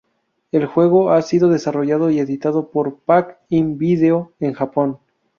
El juego ha sido desarrollado y editado por Pack-In-Video en Japón.